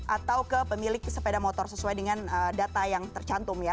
atau ke pemilik sepeda motor sesuai dengan data yang tercantum ya